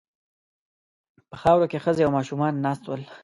په خاورو کې ښځې او ماشومان ناست ول.